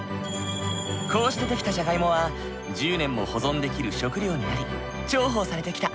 こうして出来たじゃがいもは１０年も保存できる食料になり重宝されてきた。